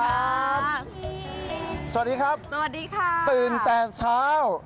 สวัสดีครับตื่นแต่เช้าสวัสดีค่ะ